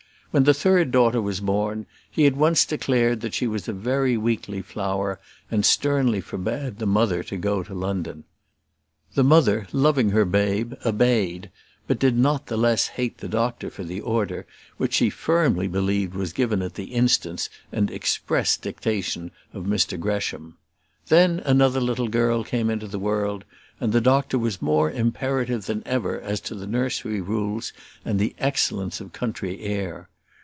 When the third daughter was born, he at once declared that she was a very weakly flower, and sternly forbade the mother to go to London. The mother, loving her babe, obeyed; but did not the less hate the doctor for the order, which she firmly believed was given at the instance and express dictation of Mr Gresham. Then another little girl came into the world, and the doctor was more imperative than ever as to the nursery rules and the excellence of country air.